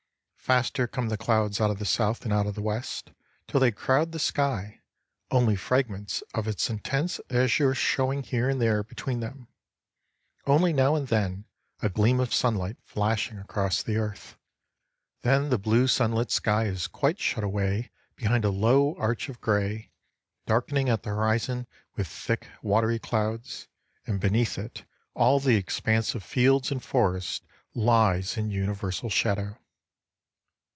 Faster come the clouds out of the south and out of the west, till they crowd the sky, only fragments of its intense azure showing here and there between them, only now and then a gleam of sunlight flashing across the earth. Then the blue sunlit sky is quite shut away behind a low arch of gray, darkening at the horizon with thick watery clouds, and beneath it all the expanse of fields and forest lies in universal shadow.